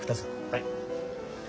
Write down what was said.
はい。